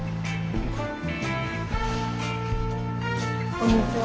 こんにちは。